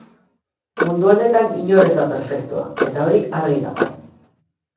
Mundu honetan inor ez da perfektua, eta hori argi dago.